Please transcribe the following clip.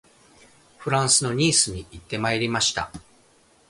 フランスのニースに行ってまいりました